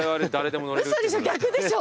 嘘でしょ逆でしょ。